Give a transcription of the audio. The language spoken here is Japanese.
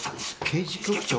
刑事局長？